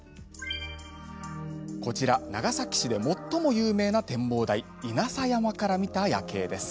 こちら、長崎市で最も有名な展望台稲佐山から見た夜景です。